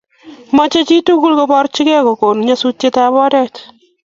Mochei chitugul koborchikei kokon nyasutikab oret